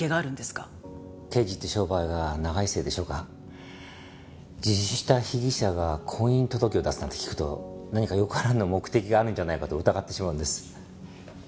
刑事って商売が長いせいでしょうか自首した被疑者が婚姻届を出すなんて聞くと何かよからぬ目的があるんじゃないかと疑ってしまうんです。